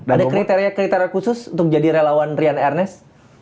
ada kriteria kriteria khusus untuk jadi relawan rian ernest